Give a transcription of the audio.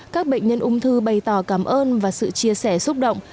các bệnh nhân ung thư bày tỏ cảm ơn và sự chia sẻ xúc động